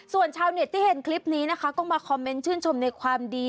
ส่วนชาวเน็ตที่เห็นคลิปนี้นะคะก็มาคอมเมนต์ชื่นชมในความดี